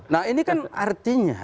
nah ini kan artinya